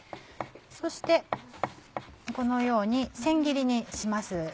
そしてこのように千切りにします。